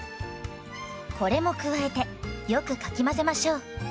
これも加えてよくかき混ぜましょう。